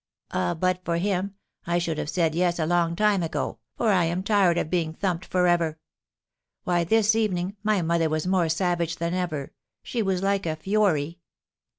"Ah, but for him, I should have said yes a long time ago, for I am tired of being thumped for ever; why, this evening, my mother was more savage than ever; she was like a fury!